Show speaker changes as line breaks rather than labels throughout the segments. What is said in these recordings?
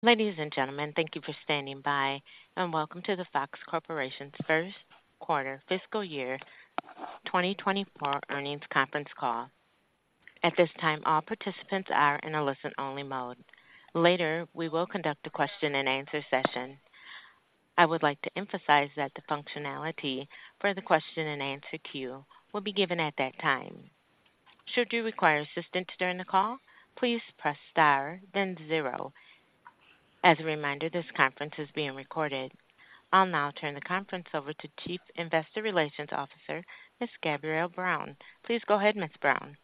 Ladies and gentlemen, thank you for standing by, and welcome to the Fox Corporation's First Quarter Fiscal Year 2024 Earnings Conference Call. At this time, all participants are in a listen-only mode. Later, we will conduct a question-and-answer session. I would like to emphasize that the functionality for the question-and-answer queue will be given at that time. Should you require assistance during the call, please press star then zero. As a reminder, this conference is being recorded. I'll now turn the conference over to Chief Investor Relations Officer, Miss Gabrielle Brown. Please go ahead, Miss Brown.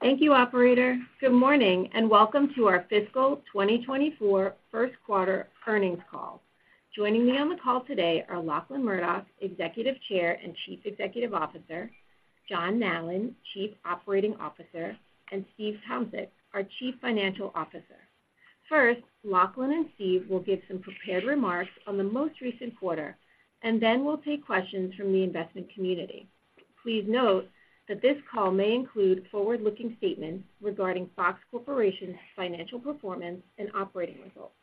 Thank you, operator. Good morning, and welcome to our fiscal 2024 first quarter earnings call. Joining me on the call today are Lachlan Murdoch, Executive Chair and Chief Executive Officer, John Nallen, Chief Operating Officer, and Steve Tomsic, our Chief Financial Officer. First, Lachlan and Steve will give some prepared remarks on the most recent quarter, and then we'll take questions from the investment community. Please note that this call may include forward-looking statements regarding Fox Corporation's financial performance and operating results.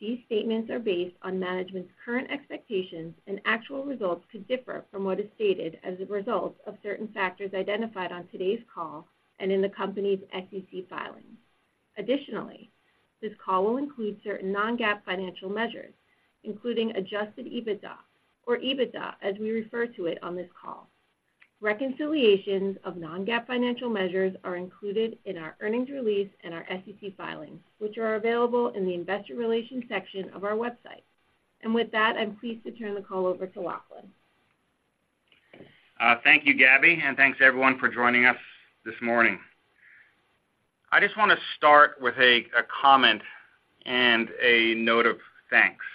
These statements are based on management's current expectations and actual results could differ from what is stated as a result of certain factors identified on today's call and in the company's SEC filings. Additionally, this call will include certain non-GAAP financial measures, including adjusted EBITDA or EBITDA, as we refer to it on this call. Reconciliations of non-GAAP financial measures are included in our earnings release and our SEC filings, which are available in the investor relations section of our website. With that, I'm pleased to turn the call over to Lachlan.
Thank you, Gabby, and thanks, everyone, for joining us this morning. I just want to start with a comment and a note of thanks.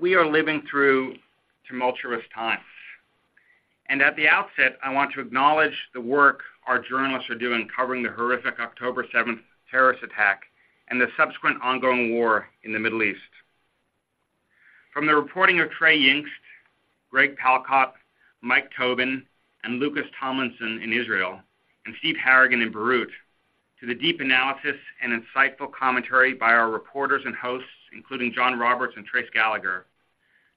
We are living through tumultuous times, and at the outset, I want to acknowledge the work our journalists are doing covering the horrific October 7th terrorist attack and the subsequent ongoing war in the Middle East. From the reporting of Trey Yingst, Greg Palkot, Mike Tobin, and Lucas Tomlinson in Israel, and Steve Harrigan in Beirut, to the deep analysis and insightful commentary by our reporters and hosts, including John Roberts and Trace Gallagher,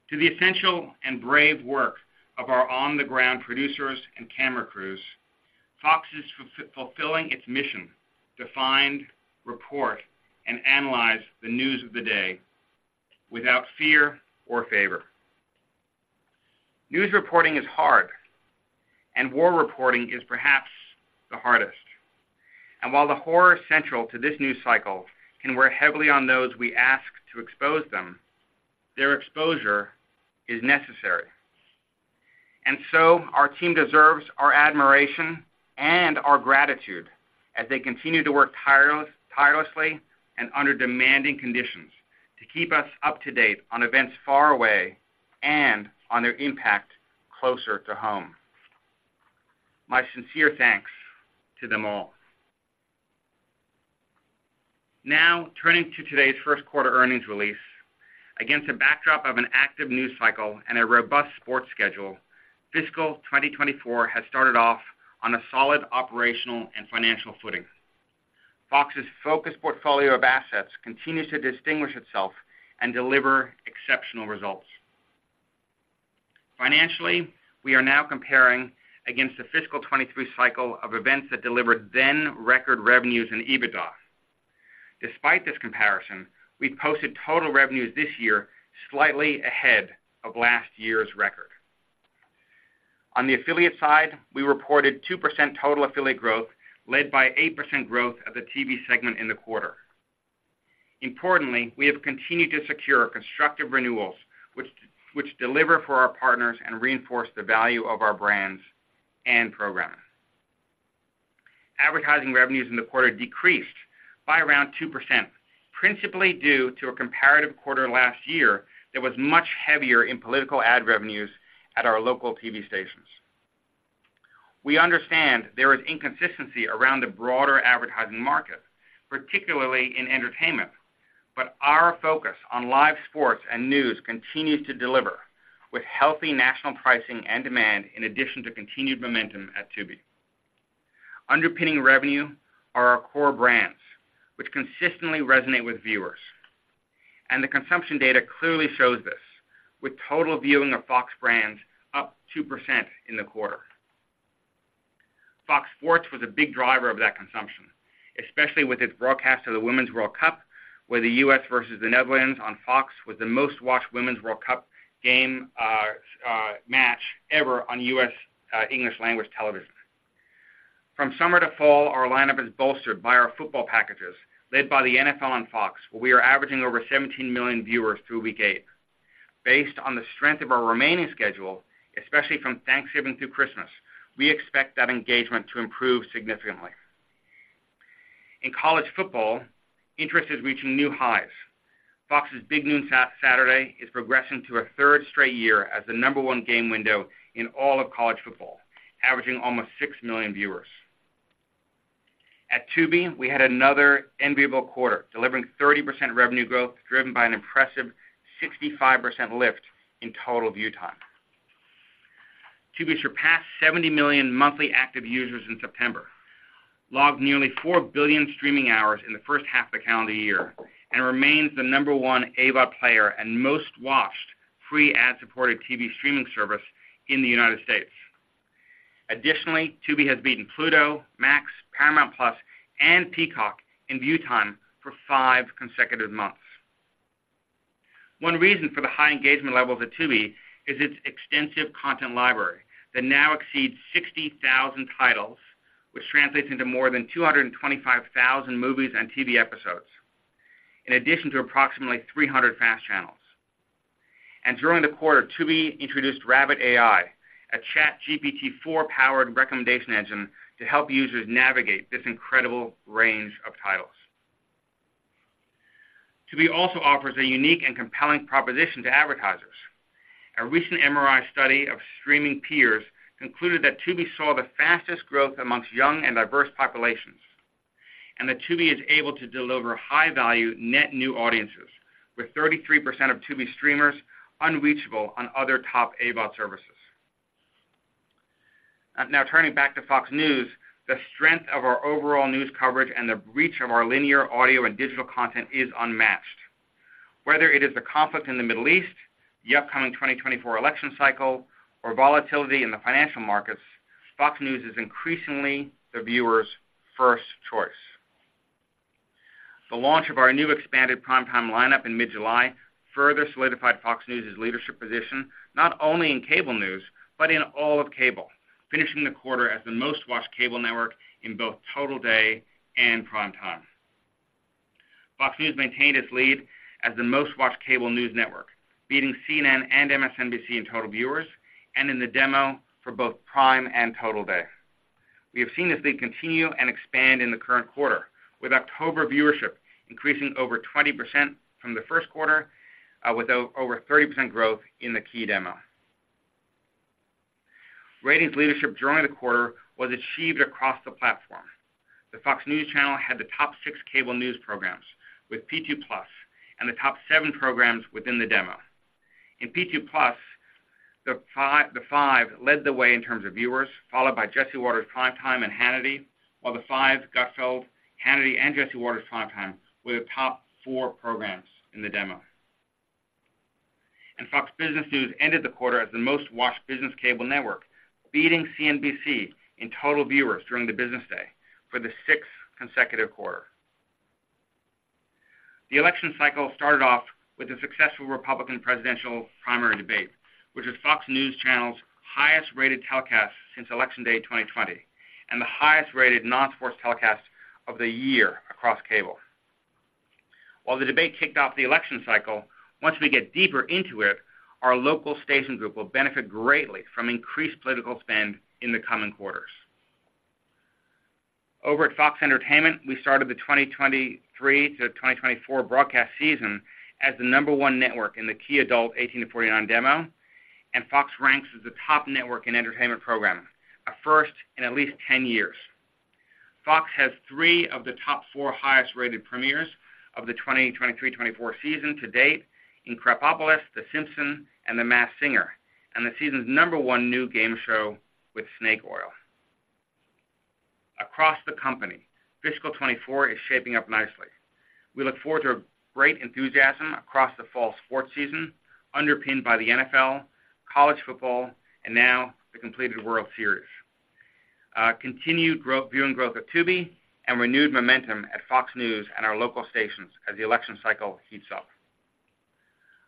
to the essential and brave work of our on-the-ground producers and camera crews, Fox is fulfilling its mission to find, report, and analyze the news of the day without fear or favor. News reporting is hard, and war reporting is perhaps the hardest. While the horror central to this news cycle can wear heavily on those we ask to expose them, their exposure is necessary. So our team deserves our admiration and our gratitude as they continue to work tirelessly and under demanding conditions to keep us up to date on events far away and on their impact closer to home. My sincere thanks to them all. Now, turning to today's first quarter earnings release. Against a backdrop of an active news cycle and a robust sports schedule, fiscal 2024 has started off on a solid operational and financial footing. Fox's focused portfolio of assets continues to distinguish itself and deliver exceptional results. Financially, we are now comparing against the fiscal 2023 cycle of events that delivered then record revenues and EBITDA. Despite this comparison, we've posted total revenues this year, slightly ahead of last year's record. On the affiliate side, we reported 2% total affiliate growth, led by 8% growth of the TV segment in the quarter. Importantly, we have continued to secure constructive renewals, which deliver for our partners and reinforce the value of our brands and programming. Advertising revenues in the quarter decreased by around 2%, principally due to a comparative quarter last year that was much heavier in political ad revenues at our local TV stations. We understand there is inconsistency around the broader advertising market, particularly in entertainment, but our focus on live sports and news continues to deliver with healthy national pricing and demand in addition to continued momentum at Tubi. Underpinning revenue are our core brands, which consistently resonate with viewers. The consumption data clearly shows this, with total viewing of Fox brands up 2% in the quarter. Fox Sports was a big driver of that consumption, especially with its broadcast of the Women's World Cup, where the U.S. versus the Netherlands on Fox was the most-watched Women's World Cup game, match ever on U.S. English-language television. From summer to fall, our lineup is bolstered by our football packages, led by the NFL on Fox, where we are averaging over 17 million viewers through week eight. Based on the strength of our remaining schedule, especially from Thanksgiving through Christmas, we expect that engagement to improve significantly. In college football, interest is reaching new highs. Fox's Big Noon Saturday is progressing to a third straight year as the number one game window in all of college football, averaging almost 6 million viewers. At Tubi, we had another enviable quarter, delivering 30% revenue growth, driven by an impressive 65% lift in total view time. Tubi surpassed 70 million monthly active users in September, logged nearly 4 billion streaming hours in the first half of the calendar year, and remains the number one AVOD player and most-watched free ad-supported TV streaming service in the United States. Additionally, Tubi has beaten Pluto, Max, Paramount+, and Peacock in view time for five consecutive months. One reason for the high engagement levels at Tubi is its extensive content library that now exceeds 60,000 titles, which translates into more than 225,000 movies and TV episodes, in addition to approximately 300 FAST channels. During the quarter, Tubi introduced Rabbit AI, a ChatGPT-4-powered recommendation engine to help users navigate this incredible range of titles. Tubi also offers a unique and compelling proposition to advertisers. A recent MRI study of streaming peers concluded that Tubi saw the fastest growth among young and diverse populations, and that Tubi is able to deliver high-value net new audiences, with 33% of Tubi streamers unreachable on other top AVOD services. Now turning back to Fox News, the strength of our overall news coverage and the reach of our linear audio and digital content is unmatched. Whether it is the conflict in the Middle East, the upcoming 2024 election cycle, or volatility in the financial markets, Fox News is increasingly the viewer's first choice. The launch of our new expanded primetime lineup in mid-July further solidified Fox News's leadership position, not only in cable news, but in all of cable, finishing the quarter as the most-watched cable network in both total day and primetime. Fox News maintained its lead as the most-watched cable news network, beating CNN and MSNBC in total viewers and in the demo for both prime and total day. We have seen this lead continue and expand in the current quarter, with October viewership increasing over 20% from the first quarter, with over 30% growth in the key demo. Ratings leadership during the quarter was achieved across the platform. The Fox News Channel had the top six cable news programs, with P2+ and the top seven programs within the demo. In P2+, The Five led the way in terms of viewers, followed by Jesse Watters Primetime and Hannity, while The Five, Gutfeld!, Hannity, and Jesse Watters Primetime were the top four programs in the demo. Fox Business Network ended the quarter as the most-watched business cable network, beating CNBC in total viewers during the business day for the sixth consecutive quarter. The election cycle started off with a successful Republican presidential primary debate, which was Fox News Channel's highest-rated telecast since Election Day 2020, and the highest-rated non-sports telecast of the year across cable. While the debate kicked off the election cycle, once we get deeper into it, our local station group will benefit greatly from increased political spend in the coming quarters. Over at Fox Entertainment, we started the 2023-2024 broadcast season as the number one network in the key adults 18-49 demo, and Fox ranks as the top network in entertainment programming, a first in at least 10 years. Fox has three of the top four highest-rated premieres of the 2023-2024 season to date in Krapopolis, The Simpsons, and The Masked Singer, and the season's number one new game show with Snake Oil. Across the company, fiscal 2024 is shaping up nicely. We look forward to great enthusiasm across the fall sports season, underpinned by the NFL, college football, and now the completed World Series. Continued viewing growth at Tubi and renewed momentum at Fox News and our local stations as the election cycle heats up.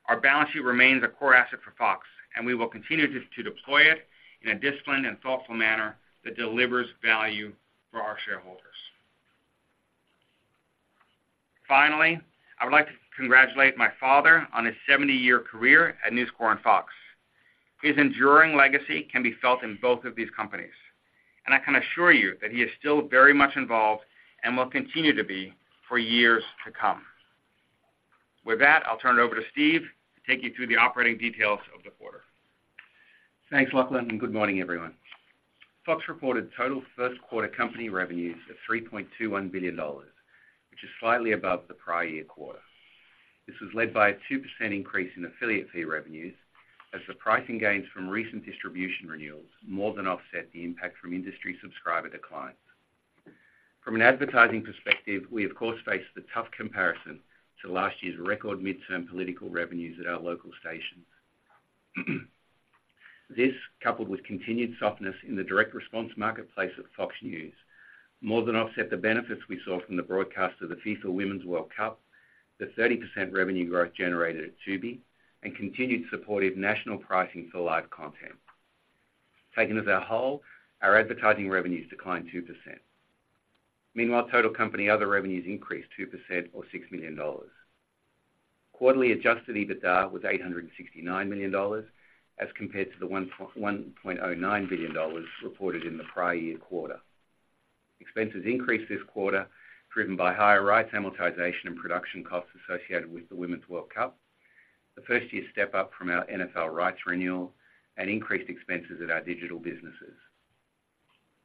Our balance sheet remains a core asset for Fox, and we will continue to deploy it in a disciplined and thoughtful manner that delivers value for our shareholders. Finally, I would like to congratulate my father on his 70-year career at News Corp and Fox. His enduring legacy can be felt in both of these companies, and I can assure you that he is still very much involved and will continue to be for years to come. With that, I'll turn it over to Steve to take you through the operating details of the quarter.
Thanks, Lachlan, and good morning, everyone. Fox reported total first quarter company revenues of $3.21 billion, which is slightly above the prior year quarter. This was led by a 2% increase in affiliate fee revenues, as the pricing gains from recent distribution renewals more than offset the impact from industry subscriber declines. From an advertising perspective, we of course, faced a tough comparison to last year's record midterm political revenues at our local stations. This, coupled with continued softness in the direct response marketplace at Fox News, more than offset the benefits we saw from the broadcast of the FIFA Women's World Cup, the 30% revenue growth generated at Tubi, and continued supportive national pricing for live content. Taken as a whole, our advertising revenues declined 2%. Meanwhile, total company other revenues increased 2% or $6 million. Quarterly Adjusted EBITDA was $869 million, as compared to the $1.09 billion reported in the prior year quarter. Expenses increased this quarter, driven by higher rights, amortization, and production costs associated with the Women's World Cup, the first-year step-up from our NFL rights renewal, and increased expenses at our digital businesses.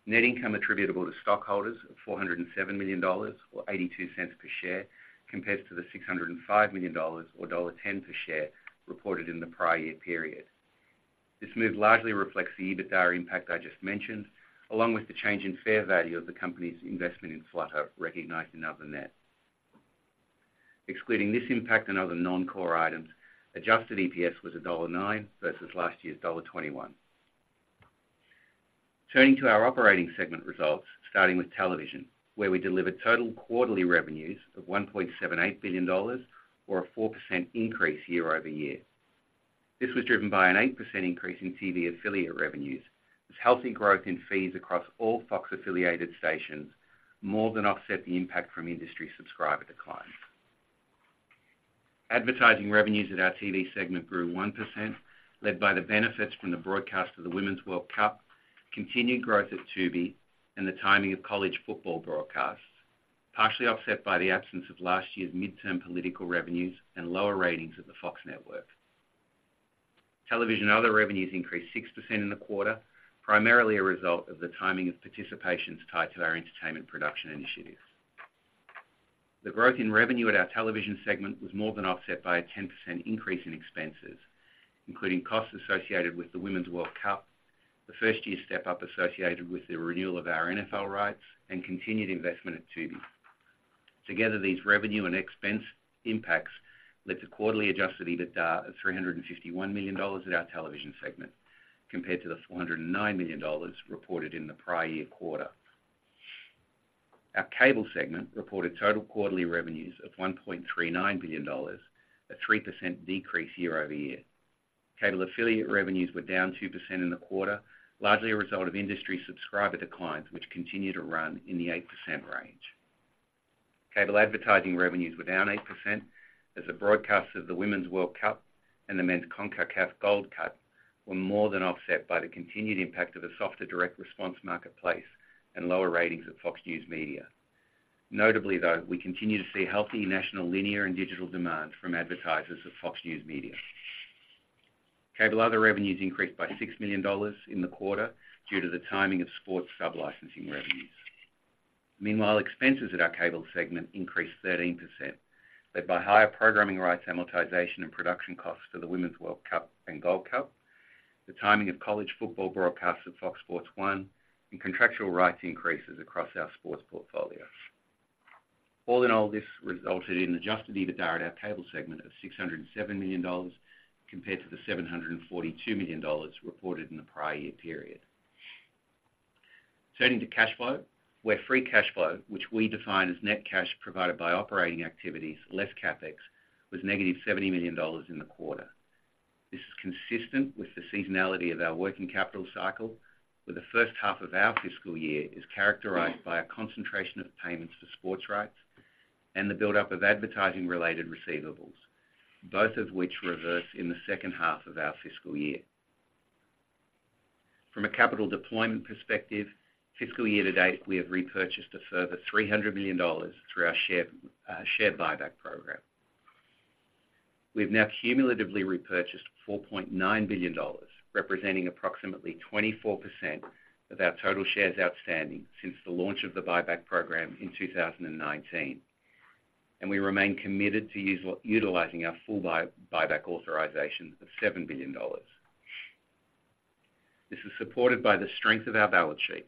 Net income attributable to stockholders of $407 million or $0.82 per share, compared to the $605 million or $1.10 per share reported in the prior year period. This move largely reflects the EBITDA impact I just mentioned, along with the change in fair value of the company's investment in Flutter, recognized in other net. Excluding this impact on other non-core items, Adjusted EPS was $1.09 versus last year's $1.21. Turning to our operating segment results, starting with television, where we delivered total quarterly revenues of $1.78 billion or a 4% increase year-over-year. This was driven by an 8% increase in TV affiliate revenues, as healthy growth in fees across all Fox-affiliated stations more than offset the impact from industry subscriber declines. Advertising revenues at our TV segment grew 1%, led by the benefits from the broadcast of the Women's World Cup, continued growth at Tubi, and the timing of college football broadcasts, partially offset by the absence of last year's midterm political revenues and lower ratings at the Fox network. Television other revenues increased 6% in the quarter, primarily a result of the timing of participations tied to our entertainment production initiatives. The growth in revenue at our television segment was more than offset by a 10% increase in expenses, including costs associated with the Women's World Cup, the first-year step-up associated with the renewal of our NFL rights, and continued investment at Tubi. Together, these revenue and expense impacts led to quarterly adjusted EBITDA of $351 million at our television segment, compared to the $409 million reported in the prior year quarter. Our cable segment reported total quarterly revenues of $1.39 billion, a 3% decrease year-over-year. Cable affiliate revenues were down 2% in the quarter, largely a result of industry subscriber declines, which continue to run in the 8% range. Cable advertising revenues were down 8% as the broadcasts of the Women's World Cup and the Men's CONCACAF Gold Cup were more than offset by the continued impact of a softer direct response marketplace and lower ratings at Fox News Media. Notably, though, we continue to see healthy national linear and digital demand from advertisers of Fox News Media. Cable other revenues increased by $6 million in the quarter due to the timing of sports sublicensing revenues. Meanwhile, expenses at our cable segment increased 13%, led by higher programming rights amortization and production costs for the Women's World Cup and Gold Cup, the timing of college football broadcasts at Fox Sports 1, and contractual rights increases across our sports portfolio. All in all, this resulted in adjusted EBITDA at our cable segment of $607 million, compared to the $742 million reported in the prior year period. Turning to cash flow, where free cash flow, which we define as net cash provided by operating activities, less CapEx, was -$70 million in the quarter. This is consistent with the seasonality of our working capital cycle, where the first half of our fiscal year is characterized by a concentration of payments to sports rights and the buildup of advertising-related receivables, both of which reverse in the second half of our fiscal year. From a capital deployment perspective, fiscal year to date, we have repurchased a further $300 million through our share, share buyback program. We've now cumulatively repurchased $4.9 billion, representing approximately 24% of our total shares outstanding since the launch of the buyback program in 2019, and we remain committed to utilizing our full buyback authorization of $7 billion. This is supported by the strength of our balance sheet,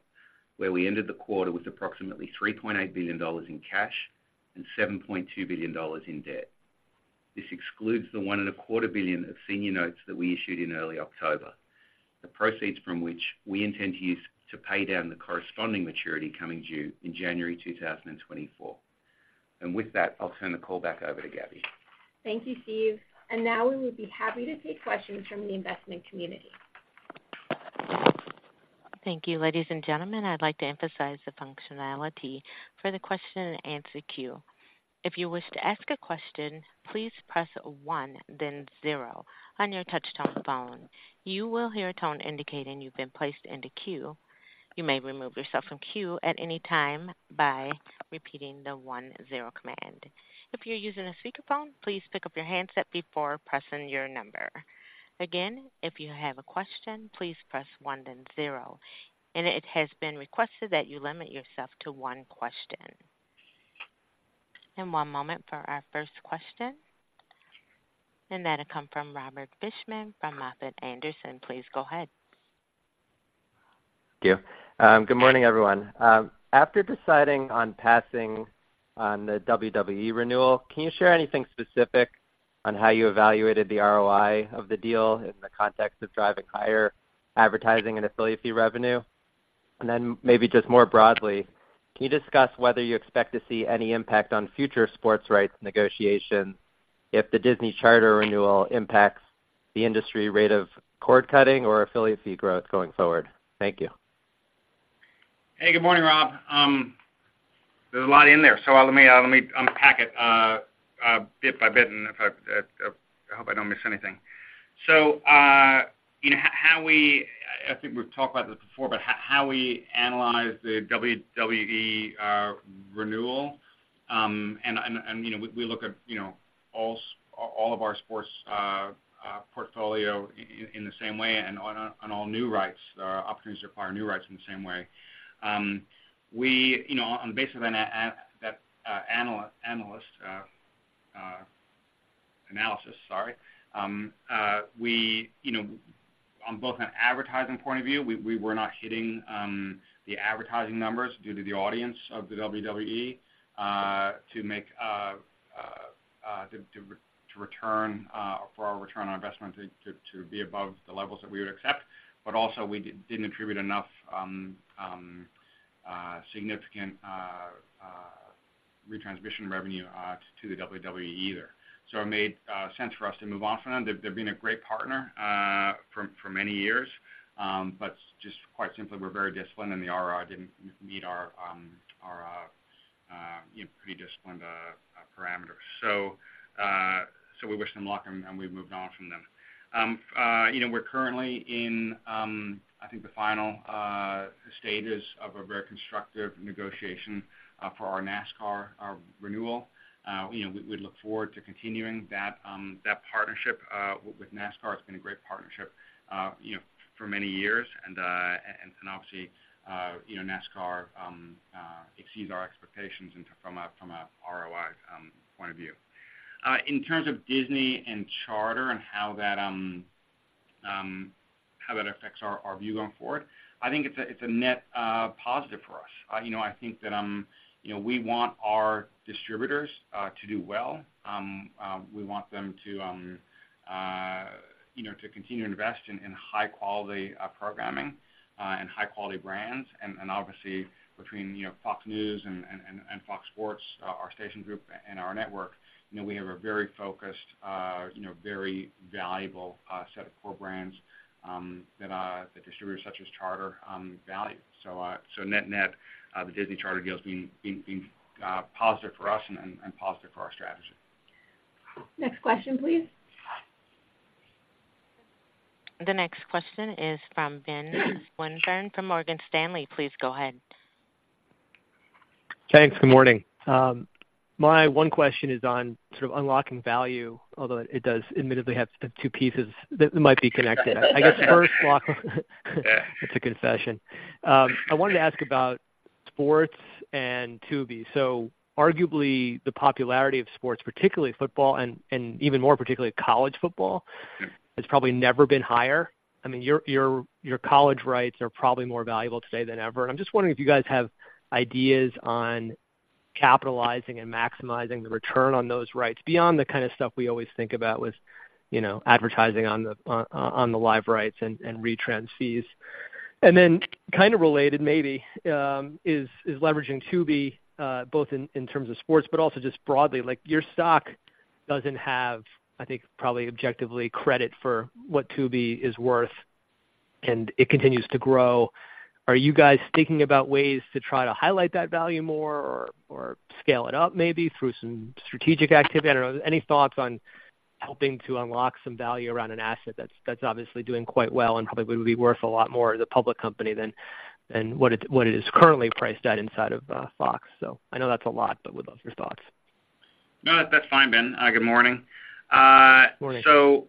where we ended the quarter with approximately $3.8 billion in cash and $7.2 billion in debt. This excludes the $1.25 billion of senior notes that we issued in early October, the proceeds from which we intend to use to pay down the corresponding maturity coming due in January 2024. And with that, I'll turn the call back over to Gabby.
Thank you, Steve. And now we would be happy to take questions from the investment community.
Thank you, ladies and gentlemen. I'd like to emphasize the functionality for the question and answer queue. If you wish to ask a question, please press one, then zero on your touch-tone phone. You will hear a tone indicating you've been placed in the queue. You may remove yourself from queue at any time by repeating the one zero command. If you're using a speakerphone, please pick up your handset before pressing your number. Again, if you have a question, please press one, then zero. It has been requested that you limit yourself to one question. One moment for our first question, and that'll come from Robert Fishman from MoffettNathanson. Please go ahead.
Thank you. Good morning, everyone. After deciding on passing on the WWE renewal, can you share anything specific on how you evaluated the ROI of the deal in the context of driving higher advertising and affiliate fee revenue? And then maybe just more broadly, can you discuss whether you expect to see any impact on future sports rights negotiations if the Disney Charter renewal impacts the industry rate of cord-cutting or affiliate fee growth going forward? Thank you.
Hey, good morning, Rob. There's a lot in there, so let me unpack it bit by bit, and if I-- I hope I don't miss anything. You know, how we... I think we've talked about this before, but how we analyze the WWE renewal, and, you know, we look at, you know, all sp- all of our sports, portfolio in the same way and on all new rights opportunities to acquire new rights in the same way. We, you know, on the basis of an analyst analysis, sorry, we, you know, on both an advertising point of view, we were not hitting the advertising numbers due to the audience of the WWE to make our return on investment to be above the levels that we would accept. But also we didn't attribute enough significant retransmission revenue to the WWE either. So it made sense for us to move on from them. They've been a great partner for many years, but just quite simply, we're very disciplined, and the ROI didn't meet our, you know, pretty disciplined parameters. So we wished them luck, and we've moved on from them. You know, we're currently in, I think the final stages of a very constructive negotiation for our NASCAR renewal. You know, we look forward to continuing that partnership with NASCAR. It's been a great partnership, you know, for many years, and obviously, you know, NASCAR exceeds our expectations and from a ROI point of view. In terms of Disney and Charter and how that affects our view going forward, I think it's a net positive for us. You know, I think that you know, we want our distributors to do well. We want them to you know, to continue to invest in high-quality programming and high-quality brands. And obviously, between you know, Fox News and Fox Sports, our station group and our network, you know, we have a very focused you know, very valuable set of core brands that distributors such as Charter value. So net-net, the Disney Charter deal has been positive for us and positive for our strategy.
Next question, please.
The next question is from Ben Swinburne from Morgan Stanley. Please go ahead.
Thanks. Good morning. My one question is on sort of unlocking value, although it does admittedly have two pieces that might be connected. I guess first, Fox... It's a confession. I wanted to ask about sports and Tubi. So arguably, the popularity of sports, particularly football and even more particularly college football, has probably never been higher. I mean, your college rights are probably more valuable today than ever. And I'm just wondering if you guys have ideas on capitalizing and maximizing the return on those rights beyond the kind of stuff we always think about with, you know, advertising on the live rights and retrans fees. And then kind of related, maybe, is leveraging Tubi, both in terms of sports, but also just broadly. Like, your stock doesn't have, I think, probably objectively, credit for what Tubi is worth, and it continues to grow. Are you guys thinking about ways to try to highlight that value more or, or scale it up maybe through some strategic activity? I don't know. Any thoughts on helping to unlock some value around an asset that's, that's obviously doing quite well and probably would be worth a lot more as a public company than, than what it, what it is currently priced at inside of, Fox? So I know that's a lot, but would love your thoughts.
No, that's fine, Ben. Good morning.
Good morning.
So,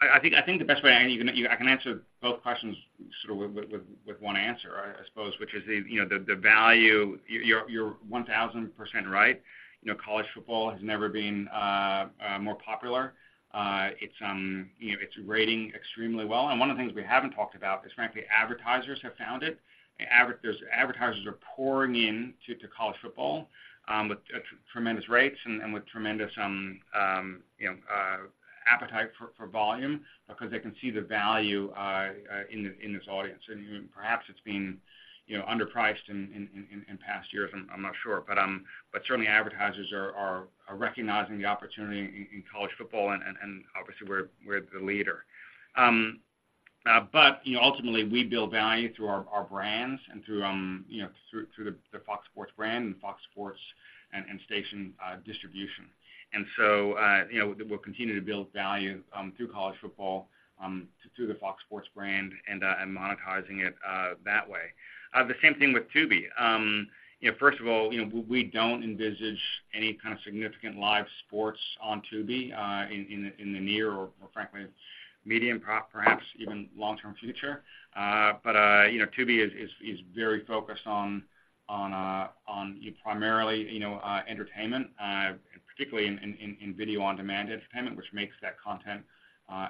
I think the best way I can, you know, I can answer both questions sort of with one answer, I suppose, which is the, you know, the value. You're 1,000% right. You know, college football has never been more popular. It's, you know, it's rating extremely well. And one of the things we haven't talked about is, frankly, advertisers have found it. Advertisers are pouring in to college football with tremendous rates and with tremendous, you know, appetite for volume because they can see the value in this audience. And perhaps it's been, you know, underpriced in past years, I'm not sure. But certainly advertisers are recognizing the opportunity in college football, and obviously, we're the leader. But you know, ultimately, we build value through our brands and through you know through the Fox Sports brand and Fox Sports and station distribution. And so you know, we'll continue to build value through college football through the FoxSports brand and monetizing it that way. The same thing with Tubi. You know first of all you know, we don't envisage any kind of significant live sports on Tubi in the near or frankly, medium perhaps even long-term future. But, you know, Tubi is very focused on primarily, you know, entertainment, particularly in video-on-demand entertainment, which makes that content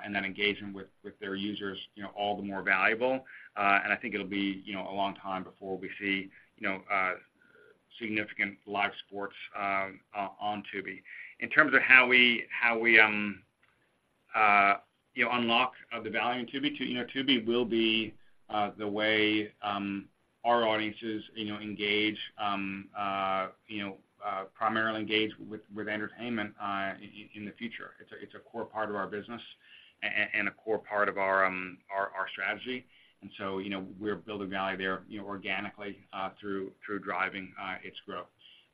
and then engagement with their users, you know, all the more valuable. And I think it'll be, you know, a long time before we see, you know, significant live sports on Tubi. In terms of how we, you know, unlock the value in Tubi, Tubi will be the way our audiences, you know, primarily engage with entertainment in the future. It's a core part of our business and a core part of our strategy. And so, you know, we're building value there, you know, organically, through driving its growth.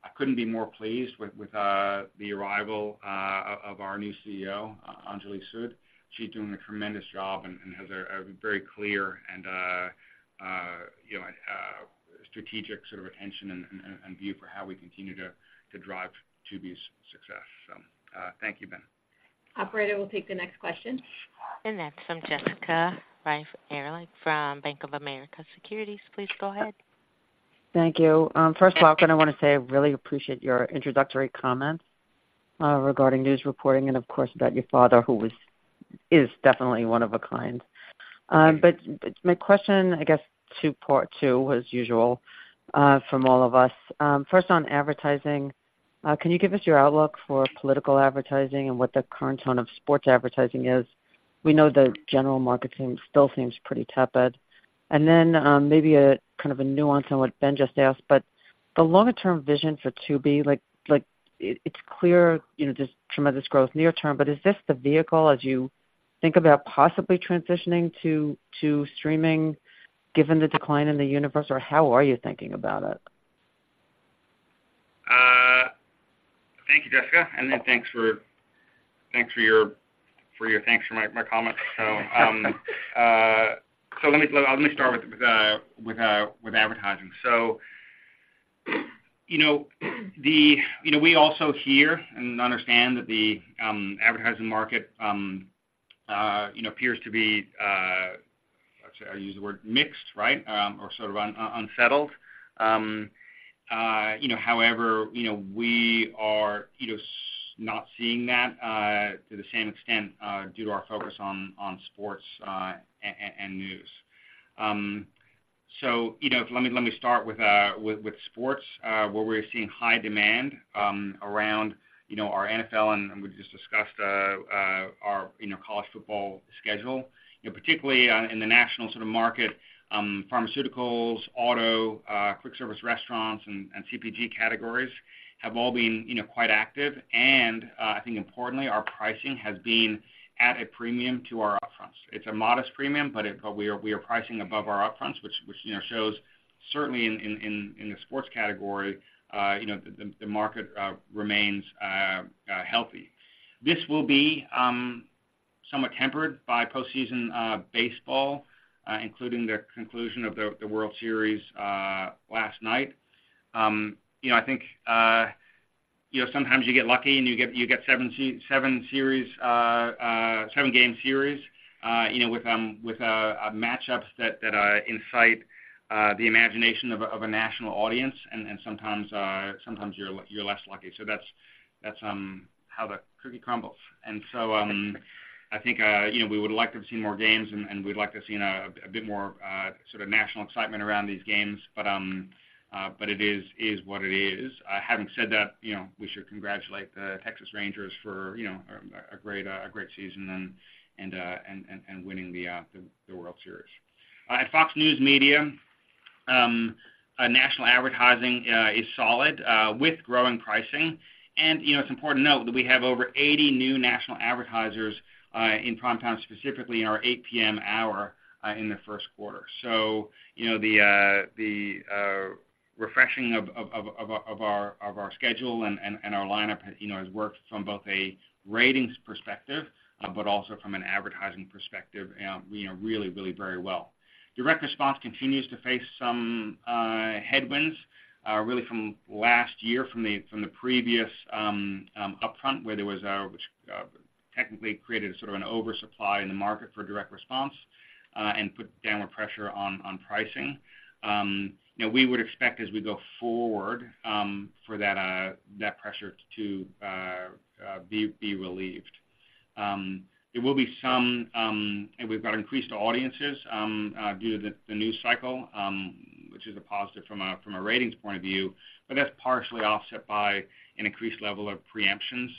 I couldn't be more pleased with the arrival of our new CEO, Anjali Sud. She's doing a tremendous job and has a very clear and, you know, strategic sort of attention and view for how we continue to drive Tubi's success. So, thank you, Ben.
Operator, we'll take the next question.
That's from Jessica Reif Ehrlich from Bank of America Securities. Please go ahead.
Thank you. First of all, I kinda wanna say I really appreciate your introductory comments regarding news reporting and, of course, about your father, who is definitely one of a kind. But, but my question, I guess, two-part, too, as usual, from all of us. First, on advertising, can you give us your outlook for political advertising and what the current tone of sports advertising is? We know the general market seems, still seems pretty tepid. And then, maybe a kind of a nuance on what Ben just asked, but the longer-term vision for Tubi, like, like, it, it's clear, you know, there's tremendous growth near term, but is this the vehicle as you think about possibly transitioning to, to streaming, given the decline in the universe, or how are you thinking about it?
Thank you, Jessica, and then thanks for your thanks for my comments. So, let me start with advertising. So, you know, the... You know, we also hear and understand that the advertising market, you know, appears to be, I'd say I use the word mixed, right? Or sort of unsettled. However, you know, we are not seeing that to the same extent due to our focus on sports and news. So, you know, let me start with sports, where we're seeing high demand around, you know, our NFL, and we just discussed our college football schedule. You know, particularly on, in the national sort of market, pharmaceuticals, auto, quick service restaurants and CPG categories have all been, you know, quite active. And I think importantly, our pricing has been at a premium to our upfront. It's a modest premium, but we are pricing above our upfronts, which, you know, shows certainly in the sports category, you know, the market remains healthy. This will be somewhat tempered by post season baseball, including the conclusion of the World Series last night. You know, I think, you know, sometimes you get lucky, and you get seven-game series, you know, with match-ups that incite the imagination of a national audience, and sometimes you're less lucky. So that's how the cookie crumbles. And so, I think, you know, we would like to have seen more games, and we'd like to have seen a bit more sort of national excitement around these games, but it is what it is. Having said that, you know, we should congratulate the Texas Rangers for a great season and winning the World Series. At Fox News Media, national advertising is solid with growing pricing. And, you know, it's important to note that we have over 80 new national advertisers in prime time, specifically in our 8:00 P.M. hour in the first quarter. So, you know, the refreshing of our schedule and our lineup, you know, has worked from both a ratings perspective but also from an advertising perspective, you know, really, really very well. Direct response continues to face some headwinds really from last year, from the previous upfront, where there was, which technically created sort of an oversupply in the market for direct response and put downward pressure on pricing. You know, we would expect as we go forward, for that, that pressure to be relieved. There will be some... And we've got increased audiences, due to the news cycle, which is a positive from a ratings point of view, but that's partially offset by an increased level of preemptions,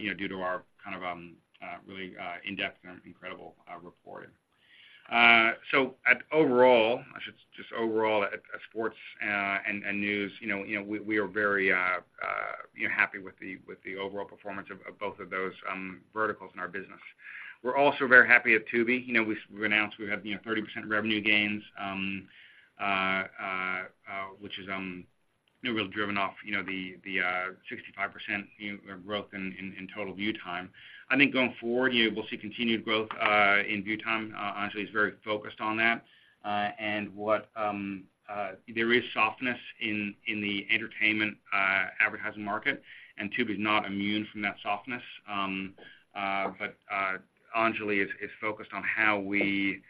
you know, due to our kind of really in-depth and incredible reporting. So overall, I should say just overall at sports and news, you know, we are very you know happy with the overall performance of both of those verticals in our business. We're also very happy at Tubi. You know, we've announced we have, you know, 30% revenue gains, which is, you know, really driven off, you know, the, the, 65%, you know, growth in, in, in total view time. I think going forward, you know, we'll see continued growth in view time. Anjali is very focused on that. And what there is softness in the entertainment advertising market, and Tubi is not immune from that softness. But Anjali is focused on how we better monetize. You know,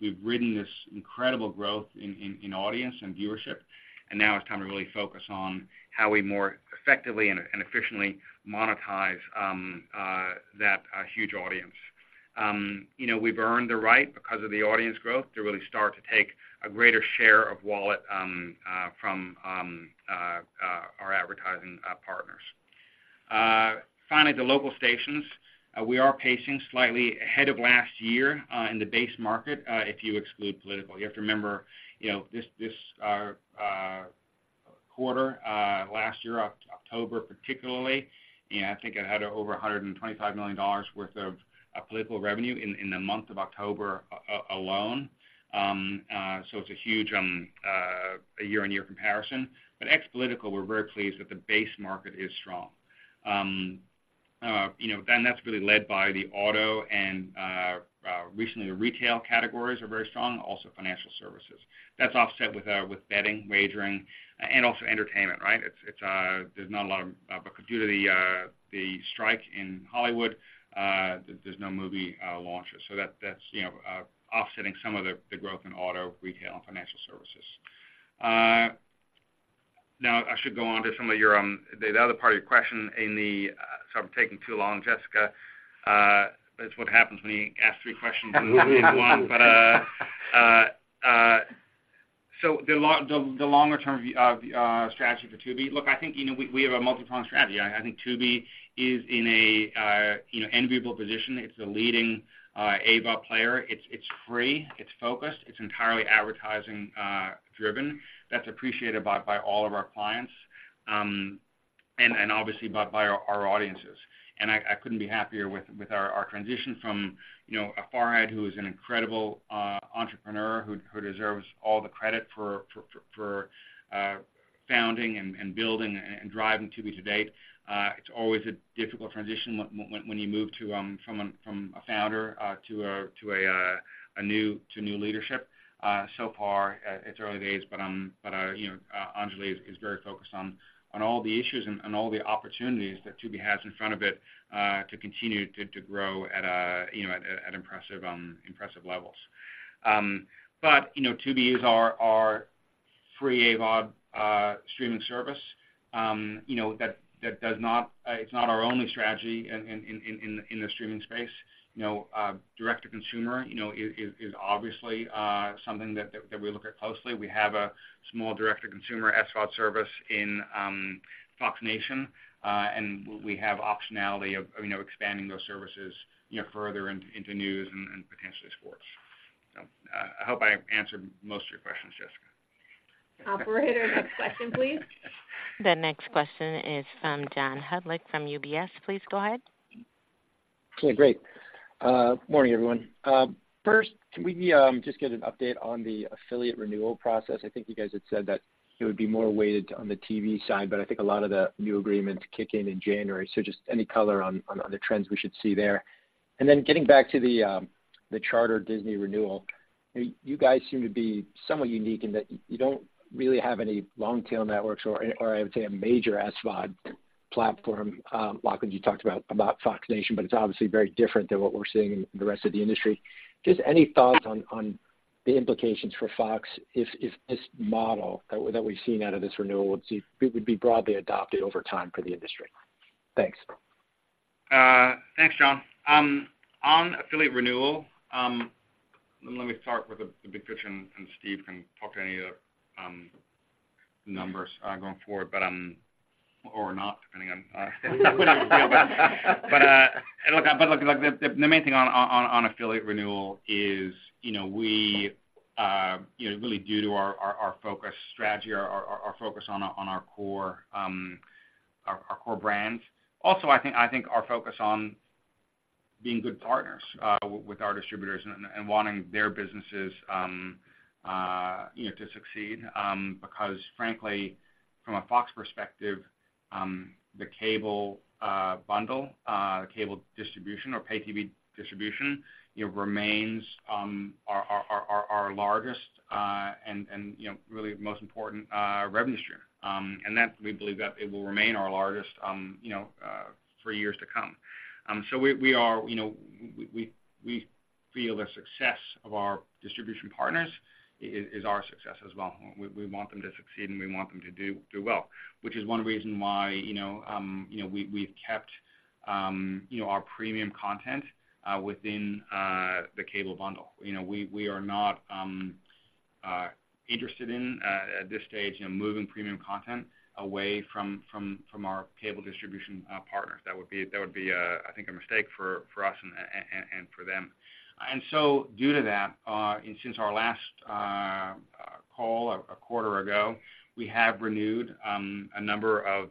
we've ridden this incredible growth in audience and viewership, and now it's time to really focus on how we more effectively and efficiently monetize that huge audience. You know, we've earned the right because of the audience growth to really start to take a greater share of wallet from our advertising partners. Finally, the local stations, we are pacing slightly ahead of last year in the base market if you exclude political. You have to remember, you know, this quarter last year, October particularly, and I think it had over $125 million worth of political revenue in the month of October alone. So it's a huge year-on-year comparison. But ex political, we're very pleased that the base market is strong. You know, then that's really led by the auto and recently, the retail categories are very strong, and also financial services. That's offset with betting, wagering, and also entertainment, right? It's, it's, there's not a lot of... But due to the strike in Hollywood, there's no movie launches. So that, that's, you know, offsetting some of the growth in auto, retail, and financial services. Now I should go on to some of your, the other part of your question in the- sorry for taking too long, Jessica. That's what happens when you ask three questions in one. But, so the long- the, the longer-term v- strategy for Tubi, look, I think, you know, we, we have a multipronged strategy. I think Tubi is in a, you know, enviable position. It's the leading, AVOD player. It's, it's free, it's focused, it's entirely advertising, driven. That's appreciated by all of our clients, and obviously by our audiences. I couldn't be happier with our transition from, you know, Farhad, who is an incredible entrepreneur, who deserves all the credit for founding and building and driving Tubi to date. It's always a difficult transition when you move to from a founder to a new leadership. So far, it's early days, but you know, Anjali is very focused on all the issues and all the opportunities that Tubi has in front of it to continue to grow at a, you know, at impressive levels. But, you know, Tubi is our, our free AVOD streaming service. You know, that does not... It's not our only strategy in the streaming space. You know, direct-to-consumer, you know, is obviously something that we look at closely. We have a small direct-to-consumer SVOD service in Fox Nation, and we have optionality of, you know, expanding those services, you know, further into news and potentially sports. So, I hope I answered most of your questions, Jessica.
Operator, next question, please.
The next question is from John Hodulik from UBS. Please go ahead.
Okay, great. Morning, everyone. First, can we just get an update on the affiliate renewal process? I think you guys had said that it would be more weighted on the TV side, but I think a lot of the new agreements kick in in January, so just any color on the trends we should see there. And then getting back to the Charter-Disney renewal, you guys seem to be somewhat unique in that you don't really have any long-tail networks or I would say, a major SVOD platform. Lachlan, you talked about Fox Nation, but it's obviously very different than what we're seeing in the rest of the industry. Just any thoughts on the implications for Fox if this model that we've seen out of this renewal would be broadly adopted over time for the industry? Thanks.
Thanks, John. On affiliate renewal, let me start with the big picture, and Steve can talk to any of the numbers going forward, but or not, depending on. But look, the main thing on affiliate renewal is, you know, we really due to our focus strategy, our focus on our core, our core brands. Also, I think our focus on being good partners with our distributors and wanting their businesses, you know, to succeed, because frankly, from a Fox perspective, the cable bundle, cable distribution or pay TV distribution, it remains our largest and, you know, really the most important revenue stream. And that, we believe that it will remain our largest, you know, for years to come. So we are, you know, we feel the success of our distribution partners is our success as well. We want them to succeed, and we want them to do well, which is one reason why, you know, we have kept, you know, our premium content within the cable bundle. You know, we are not interested in, at this stage, you know, moving premium content away from our cable distribution partners. That would be, I think, a mistake for us and for them. And so due to that, and since our last call a quarter ago, we have renewed a number of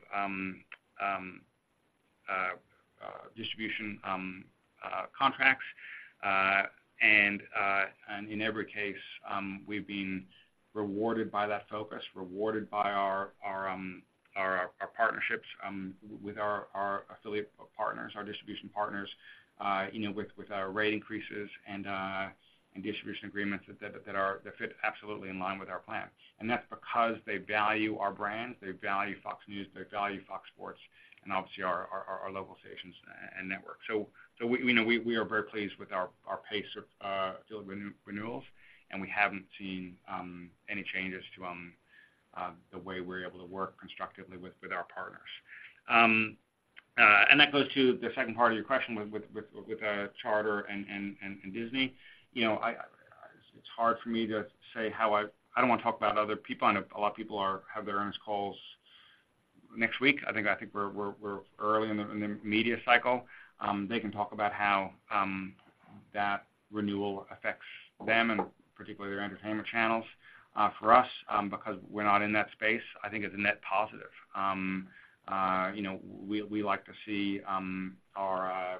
distribution contracts. And in every case, we've been rewarded by that focus, rewarded by our partnerships with our affiliate partners, our distribution partners, you know, with our rate increases and distribution agreements that fit absolutely in line with our plan. And that's because they value our brands, they value Fox News, they value Fox Sports, and obviously our local stations and network. So we... You know, we are very pleased with our pace of affiliate renewals, and we haven't seen any changes to the way we're able to work constructively with our partners. And that goes to the second part of your question with Charter and Disney. You know, it's hard for me to say how I don't want to talk about other people. I know a lot of people are having their earnings calls next week. I think we're early in the media cycle. They can talk about how that renewal affects them and particularly their entertainment channels. For us, because we're not in that space, I think it's a net positive. You know, we like to see our...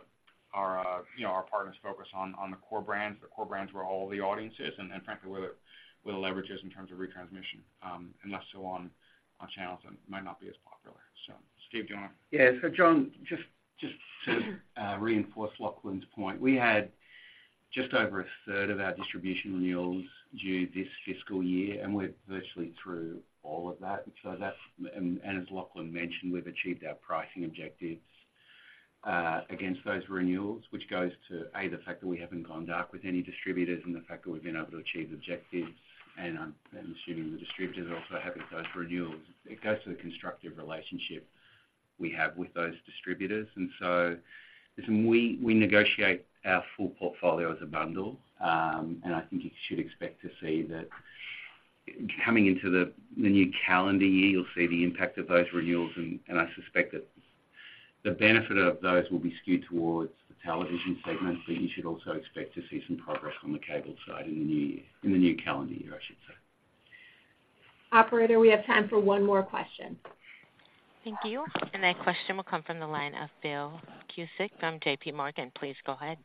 you know, our partners focus on the core brands. The core brands where all the audience is, and frankly, where the leverage is in terms of retransmission, and less so on channels that might not be as popular. So Steve, do you want?
Yes. So John, just to reinforce Lachlan's point, we had just over a third of our distribution renewals due this fiscal year, and we're virtually through all of that. So that's, and as Lachlan mentioned, we've achieved our pricing objectives against those renewals, which goes to, A, the fact that we haven't gone dark with any distributors and the fact that we've been able to achieve objectives. And I'm assuming the distributors are also happy with those renewals. It goes to the constructive relationship we have with those distributors. And so listen, we negotiate our full portfolio as a bundle, and I think you should expect to see that coming into the new calendar year, you'll see the impact of those renewals, and I suspect that the benefit of those will be skewed towards the television segment. You should also expect to see some progress on the cable side in the new year, in the new calendar year, I should say.
Operator, we have time for one more question.
Thank you. And that question will come from the line of Phil Cusick from JPMorgan. Please go ahead.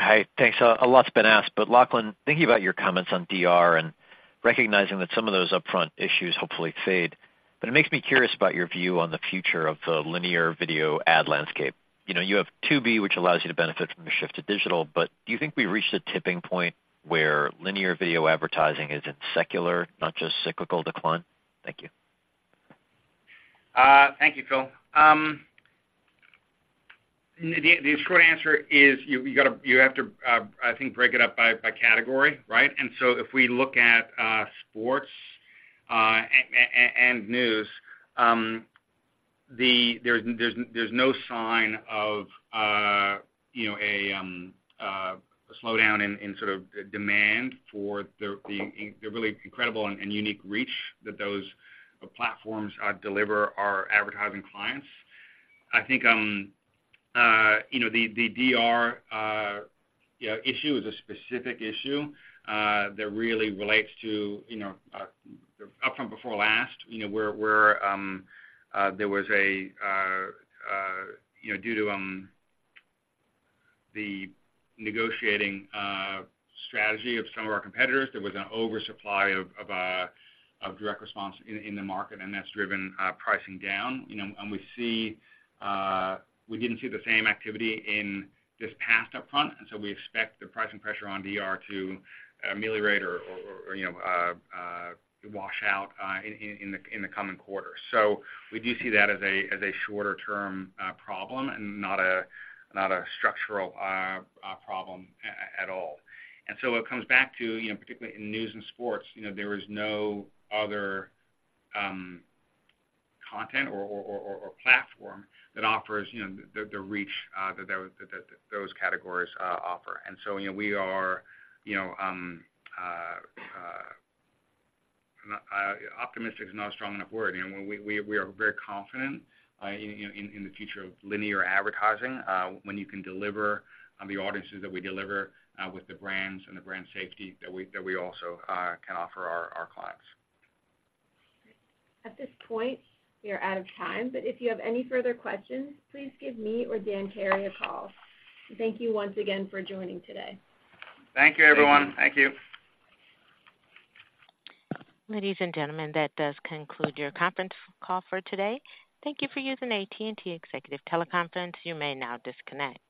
Hi. Thanks. A lot's been asked, but Lachlan, thinking about your comments on DR and recognizing that some of those upfront issues hopefully fade, but it makes me curious about your view on the future of the linear video ad landscape. You know, you have Tubi, which allows you to benefit from the shift to digital, but do you think we've reached a tipping point where linear video advertising is in secular, not just cyclical decline? Thank you.
Thank you, Phil. The short answer is you gotta—you have to, I think, break it up by category, right? And so if we look at sports, and news, there's no sign of, you know, a slowdown in sort of demand for the really incredible and unique reach that those platforms deliver our advertising clients. I think, you know, the DR issue is a specific issue that really relates to, you know, upfront before last. You know, where, due to the negotiating strategy of some of our competitors, there was an oversupply of direct response in the market, and that's driven pricing down. You know, and we see. We didn't see the same activity in this past upfront, and so we expect the pricing pressure on DR to ameliorate or you know, wash out, in the coming quarters. So we do see that as a shorter-term problem and not a structural problem at all. And so it comes back to, you know, particularly in news and sports, you know, there is no other content or platform that offers, you know, the reach that those categories offer. And so, you know, we are, you know, optimistic is not a strong enough word. You know, we are very confident in the future of linear advertising when you can deliver the audiences that we deliver with the brands and the brand safety that we also can offer our clients.
At this point, we are out of time, but if you have any further questions, please give me or Dan Carey a call. Thank you once again for joining today.
Thank you, everyone.
Thank you.
Ladies and gentlemen, that does conclude your conference call for today. Thank you for using AT&T Executive Teleconference. You may now disconnect.